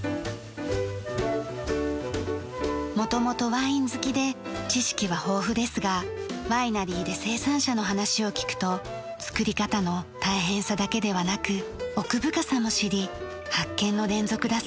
元々ワイン好きで知識は豊富ですがワイナリーで生産者の話を聞くと造り方の大変さだけではなく奥深さも知り発見の連続だそうです。